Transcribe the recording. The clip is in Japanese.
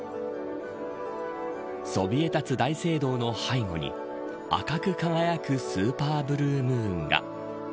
そびえ立つ大聖堂の背後に赤く輝くスーパーブルームーンが。